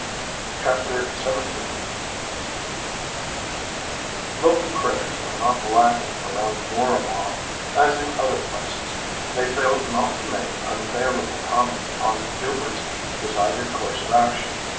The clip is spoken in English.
CHAPTER XVII Local critics were not lacking around Mooramah, as in other places. They failed not to make unfavourable comments upon Hubert's decided course of action.